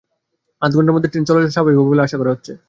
আধা ঘণ্টার মধ্যে ট্রেন চলাচল স্বাভাবিক হবে বলে আশা করা হচ্ছে।